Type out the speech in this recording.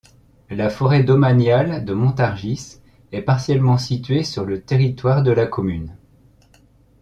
La forêt domaniale de Montargis est partiellement située sur le territoire de la commune.